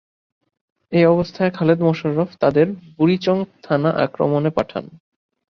এ অবস্থায় খালেদ মোশাররফ তাঁদের বুড়িচং থানা আক্রমণে পাঠান।